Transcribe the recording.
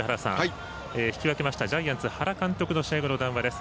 引き分けましたジャイアンツ原監督の試合後の談話です。